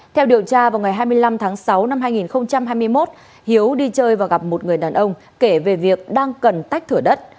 theo điều tra vào ngày hai mươi năm tháng sáu năm hai nghìn hai mươi một hiếu đi chơi và gặp một người đàn ông kể về việc đang cần tách thửa đất